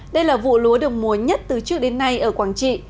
đây là vụ lúa được mùa nhất từ trước đến nay ở quảng trị